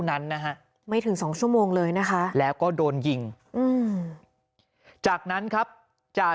นั้นนะฮะไม่ถึงสองชั่วโมงเลยนะคะแล้วก็โดนยิงอืมจากนั้นครับจ่า